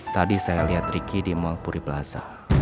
tadi saya lihat ricky di mall puri plaza